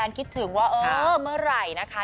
แฟนคิดถึงว่าเมื่อไหร่นะคะ